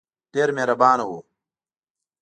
ډېر مهربانه وو.